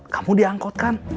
kamu di angkot kan